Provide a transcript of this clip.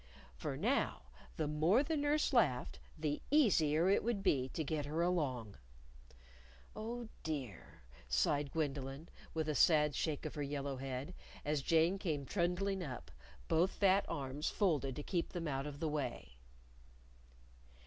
For now the more the nurse laughed the easier it would be to get her along. "Oh, dear!" sighed Gwendolyn, with a sad shake of her yellow head as Jane came trundling up, both fat arms folded to keep them out of the way.